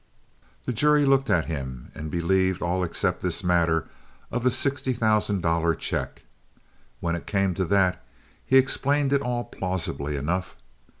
The jury looked at him, and believed all except this matter of the sixty thousand dollar check. When it came to that he explained it all plausibly enough.